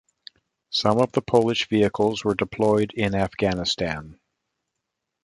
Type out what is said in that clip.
Some of the Polish vehicles were deployed in Afghanistan.